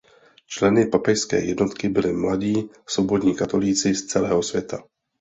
Členy papežské jednotky byli mladí svobodní katolíci z celého světa.